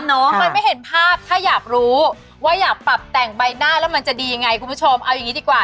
มันไม่เห็นภาพถ้าอยากรู้ว่าอยากปรับแต่งใบหน้าแล้วมันจะดียังไงคุณผู้ชมเอาอย่างนี้ดีกว่า